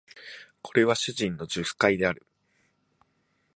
これは主人の述懐である